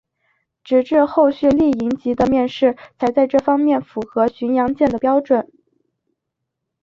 直至后续丽蝇级的面世才在这方面符合巡洋舰的标准。